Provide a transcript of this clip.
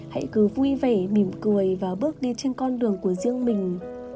hãy cứ vui vẻ mỉm cười và bước đi trên con đường của riêng mình